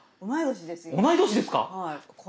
同い年ですよ。